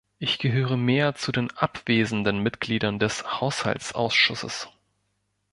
Ich gehöre mehr zu den abwesenden Mitgliedern des Haushaltsausschusses.